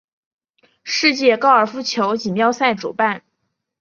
世界高尔夫球锦标赛主办。